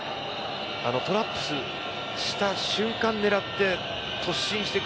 トラップした瞬間を狙って突進していく